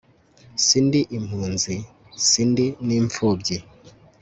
sindi impunzi sindi n'imfubyi